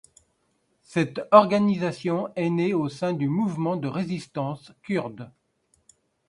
Cette organisation est née au sein du mouvement de résistance kurde.